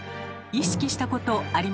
意識したことありましたか？